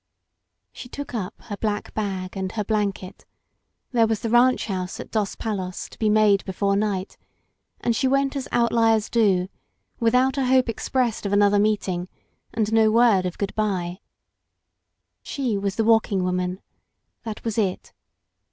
She took up her black bag and her blanket; there was the ranch house of Dos Palos to be made before night, and she went as outliers do, without a hope expressed of another meet ing and no word of good bye. She was the Walking Woman. That was it.